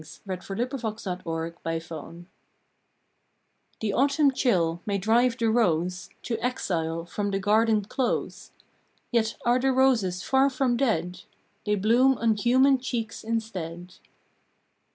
November Second TRANSFERRED ROSES HPHE autumn chill may drive the rose To exile from the garden close, Yet are the roses far from dead They bloom on human cheeks instead!